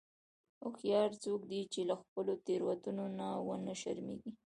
هوښیار څوک دی چې له خپلو تېروتنو نه و نه شرمیږي.